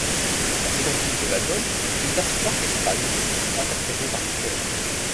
La seconde piste de l'album est une version orchestrale de interprété par des cœurs.